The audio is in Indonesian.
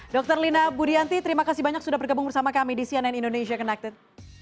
dr lina budianti terima kasih banyak sudah bergabung bersama kami di cnn indonesia connected